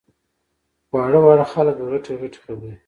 واړه واړه خلک غټې غټې خبرې!